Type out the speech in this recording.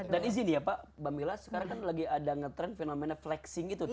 dan izin ya pak mbak mila sekarang kan lagi ada nge trend fenomena flexing itu tuh